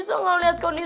saya sudah melervasi anda